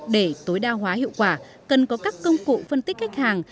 để tối đa hóa hiệu quả cần có các công cụ phân tích khách hàng